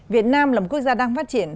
việt nam là một quốc gia đang phát triển